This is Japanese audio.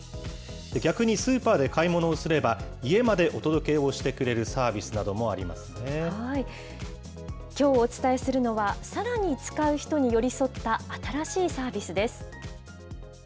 逆に、スーパーで買い物をすれば、家までお届けをしてくれるサービきょうお伝えするのは、さらに使う人に寄り添った新しいサービスです。